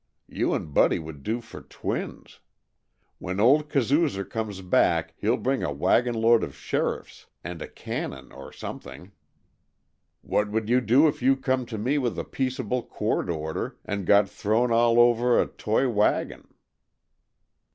You and Buddy would do for twins. When old kazoozer comes back he'll bring a wagonload of sheriffs and a cannon or something. What would you do if you come to me with a peaceable court order, and got throwed all over a toy wagon?"